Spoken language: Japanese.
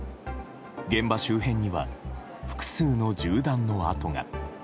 現場周辺には複数の銃弾の跡が。